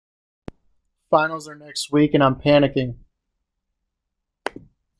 Finals are next week and I'm panicking.